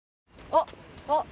あっあっ。